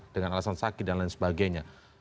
dengan alasan sakit dan lain sebagainya